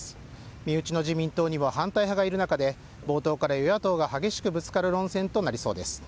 身内の自民党にも反対派がいる中で、冒頭から与野党が激しくぶつかる論戦となりそうです。